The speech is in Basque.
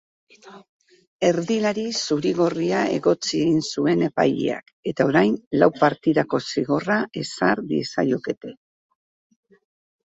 Erdilari zuri-gorria egotzi egin zuen epaileak eta orain lau partidako zigorra ezar diezaiokete.